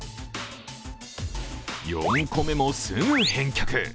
４個目もすぐ返却。